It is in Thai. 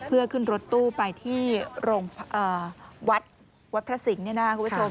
เพื่อขึ้นรถตู้ไปที่โรงวัดวัดพระสิงห์เนี่ยนะคุณผู้ชม